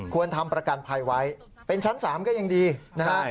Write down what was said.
ทำประกันภัยไว้เป็นชั้น๓ก็ยังดีนะฮะ